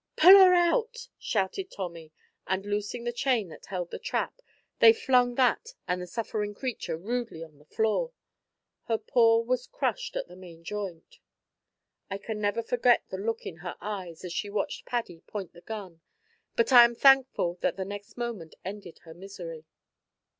"Pull her out," shouted Tommy, and loosing the chain that held the trap, they flung that and the suffering creature rudely on the floor. Her paw was crushed at the main joint. I can never forget the look in her eyes as she watched Paddy point the gun, but I am thankful that the next moment ended her misery.